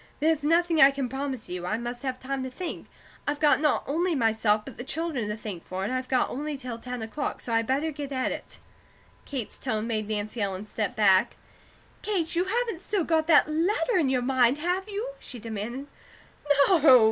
There's nothing I can promise you. I must have time to think. I've got not only myself, but the children to think for. And I've only got till ten o'clock, so I better get at it." Kate's tone made Nancy Ellen step back. "Kate, you haven't still got that letter in your mind, have you?" she demanded. "No!"